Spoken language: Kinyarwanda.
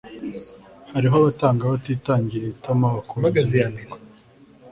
hariho abatanga batitangiriye itama bakongererwa